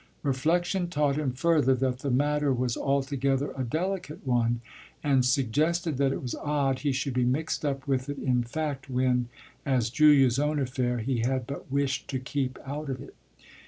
Reflexion taught him further that the matter was altogether a delicate one and suggested that it was odd he should be mixed up with it in fact when, as Julia's own affair, he had but wished to keep out of it.